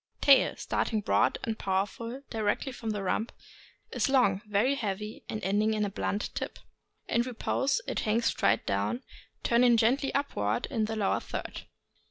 Tail. — Starting broad and powerful directly from the rump, is long, very heavy, ending in a blunt tip. In repose it hangs straight down, turning gently upward in the lower third.